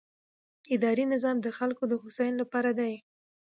اداري نظام د خلکو د هوساینې لپاره دی.